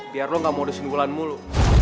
biar lu ga mau disunggulan mulu